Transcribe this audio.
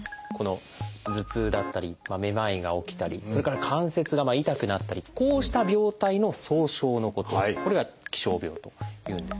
頭痛だったりめまいが起きたりそれから関節が痛くなったりこうした病態の総称のことこれが気象病というんですね。